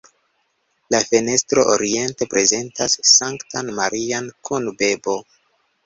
La fenestro oriente prezentas Sanktan Marian kun bebo.